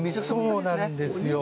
そうなんですよ。